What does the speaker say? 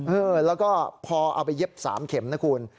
เออแล้วก็พอเอาไปเย็บ๓เข็มนะคุณ